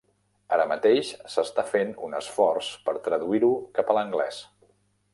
Ara mateix s'està fent un esforç per traduir-ho cap a l'anglès.